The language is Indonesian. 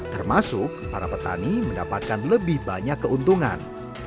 termasuk para petani mendapatkan lebih banyak keuntungan